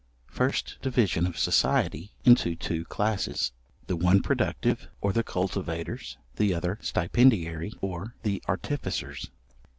First division of society into two classes, the one productive, or the cultivators, the other stipendiary, or the artificers.